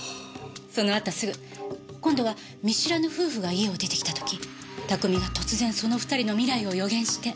そのあとすぐ今度は見知らぬ夫婦が家を出てきた時拓海が突然その２人の未来を予言して。